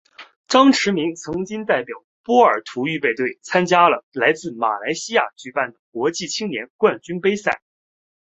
张池明曾经代表波尔图预备队参加了在马来西亚举办的国际青年冠军杯赛。